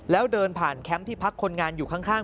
แล้วเดินผ่านแคมป์ที่พักคนงานอยู่ข้าง